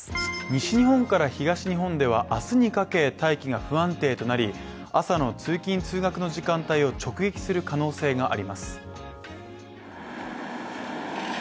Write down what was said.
西日本から東日本では、明日にかけ大気が不安定となり朝の通勤・通学の時間帯を直撃する可能性があります。